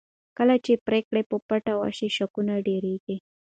کله چې پرېکړې په پټه وشي شکونه ډېرېږي